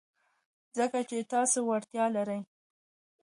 ځکه چې تاسو وړتیا لرئ.